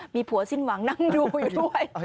มีผัวสิ้นหวังนั่งดูอยู่ด้วย